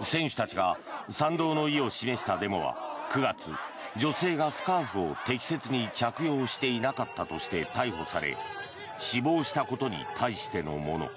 選手たちが賛同の意を示したデモは９月、女性がスカーフを適切に着用していなかったとして逮捕され死亡したことに対してのもの。